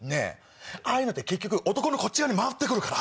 ああいうのって結局男のこっち側に回って来るから。